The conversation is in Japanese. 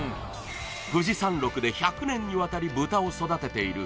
富士山麓で１００年にわたり豚を育てている